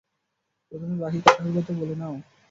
প্রথমে বাকী কথাগুলো তো বলে নাও।